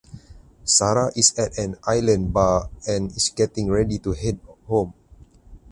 Sara is at an island bar and is getting ready to head home.